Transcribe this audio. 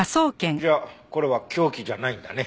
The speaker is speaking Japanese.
じゃあこれは凶器じゃないんだね。